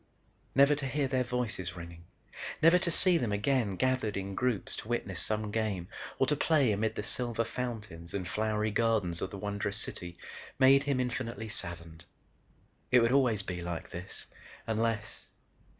Never to hear their voices ringing, never to see them again gathered in groups to witness some game or to play amid the silver fountains and flowery gardens of the wondrous city, made him infinitely saddened. It would always be like this, unless....